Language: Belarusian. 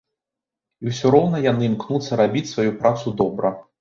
І ўсё роўна яны імкнуцца рабіць сваю працу добра.